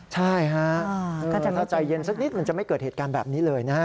ใช่ฮะถ้าใจเย็นสักนิดมันจะไม่เกิดเหตุการณ์แบบนี้เลยนะฮะ